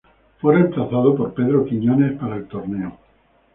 Fue reemplazado por Pedro Quiñónez para el torneo..